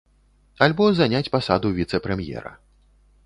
Альбо заняць пасаду віцэ-прэм'ера.